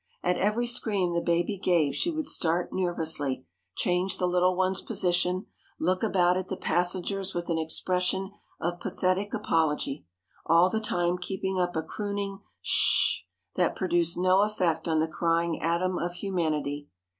At every scream the baby gave she would start nervously, change the little one's position, look about at the passengers with an expression of pathetic apology,—all the time keeping up a crooning "Sh h h!" that produced no effect on the crying atom of humanity.